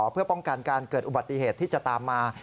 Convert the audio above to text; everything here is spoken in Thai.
เพื่อป้องกันการเกิดอุบัติเหตุที่จะตามมา